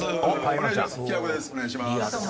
お願いします。